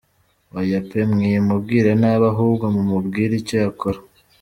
Oya pe mwimubwira nabi ahubwo mumubwire icyo yakora.